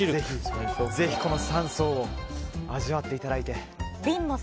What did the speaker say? ぜひ、この３層を味わっていただいて。